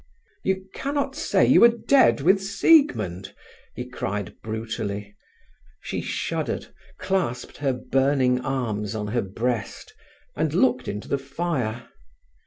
"You cannot say you are dead with Siegmund," he cried brutally. She shuddered, clasped her burning arms on her breast, and looked into the fire.